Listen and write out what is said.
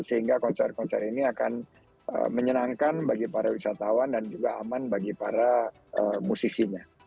sehingga konser konser ini akan menyenangkan bagi para wisatawan dan juga aman bagi para musisinya